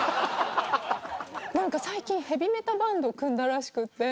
何か最近ヘビメタバンドを組んだらしくて。